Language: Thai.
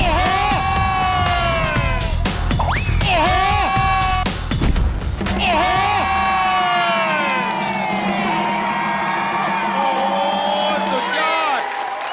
โอ้โหสุดยอด